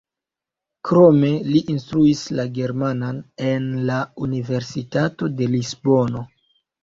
Krome li instruis la germanan en la Universitato de Lisbono.